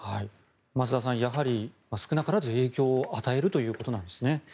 増田さん少なからず影響を与えるということなんですね。